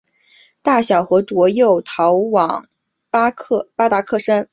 大小和卓又逃往巴达克山。